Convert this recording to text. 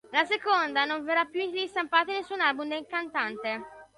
La seconda non verrà più ristampata in nessun album del cantante.